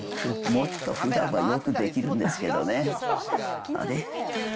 もっとふだんはよくできるんですけどね。